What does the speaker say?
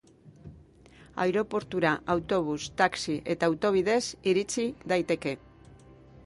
Aireportura autobus, taxi eta auto bidez iritsi daiteke.